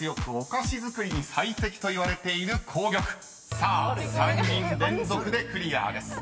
［さあ３人連続でクリアです］